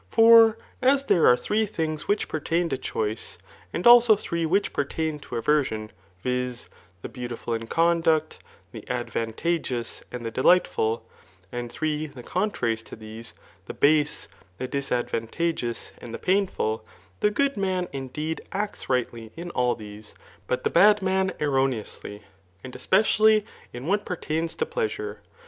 F<^ as there are ttoee d»igi wUch pertain to choice, aad also three which p^taili la iversiony viz, Ae beautiful m conducti die adf aa tage ouSt and the deygbtful, and three the contraries to tbese^ die fase, the disadvantageous, and the psonful; the good Honn, indeed, acts rightly in all these, but the bad man ^erroneously, and especially in what pertains to jdeasuve.